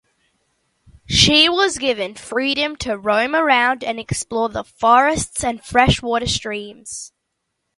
She was given freedom to roam around and explore the forests and freshwater streams.